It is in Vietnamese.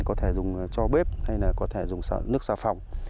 có thể dùng cho bếp hay là có thể dùng nước xà phòng